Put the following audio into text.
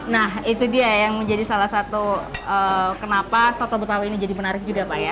nah itu dia yang menjadi salah satu kenapa soto betawi ini jadi menarik juga pak ya